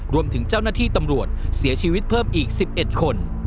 รวมถึงเจ้าหน้าที่ตำรวจเสียชีวิตเพิ่มอีก๑๑คน